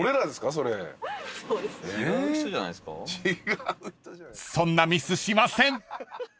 ［そんなミスしません！］